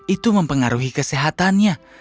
itu mempengaruhi kesehatannya